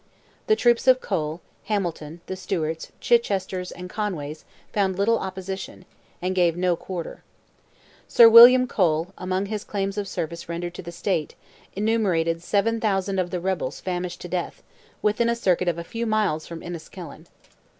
The troops of Cole, Hamilton, the Stewarts, Chichesters, and Conways, found little opposition, and gave no quarter. Sir William Cole, among his claims of service rendered to the State, enumerated "7,000 of the rebels famished to death," within a circuit of a few miles from Enniskillen.